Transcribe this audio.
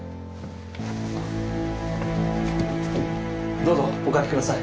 ・どうぞお掛けください